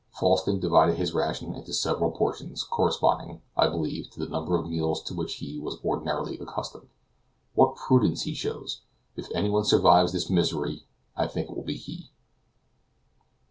Falsten divided his ration into several portions, corresponding, I believe, to the number of meals to which he was ordinarily accustomed. What prudence he shows! If any one survives this misery, I think it will be he.